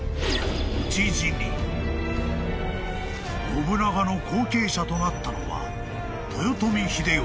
［信長の後継者となったのは］